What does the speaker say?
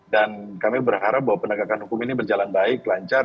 dan kami berharap bahwa penegakan hukum ini berjalan baik lancar